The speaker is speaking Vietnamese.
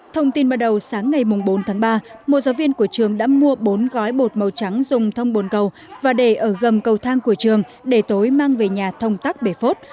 thông tin bắt đầu sáng ngày bốn tháng ba một giáo viên của trường đã mua bốn gói bột màu trắng dùng thông bồn cầu và để ở gầm cầu thang của trường để tối mang về nhà thông tắc bể phốt